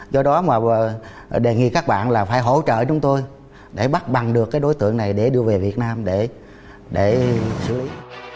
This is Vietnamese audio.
do đó mà đề nghị các bạn là phải hỗ trợ chúng tôi để bắt bằng được cái đối tượng này để đưa về việt nam để xử lý